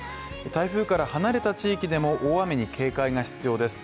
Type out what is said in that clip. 台風から離れた地域でも大雨に警戒が必要です。